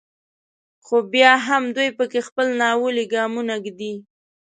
خو بیا هم دوی په کې خپل ناولي ګامونه ږدي.